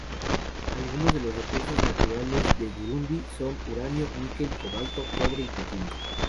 Algunos de los recursos naturales de Burundi son uranio, níquel, cobalto, cobre y platino.